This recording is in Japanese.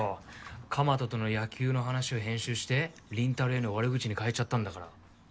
蒲田との野球の話を編集して倫太郎への悪口に変えちゃったんだから。